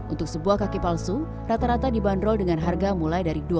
untuk sebuah kaki palsu rata rata dibanderol dengan harga mulai dari